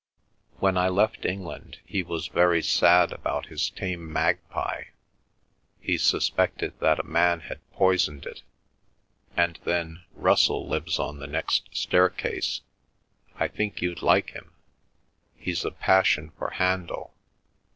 When I left England he was very sad about his tame magpie. He suspected that a man had poisoned it. And then Russell lives on the next staircase. I think you'd like him. He's a passion for Handel.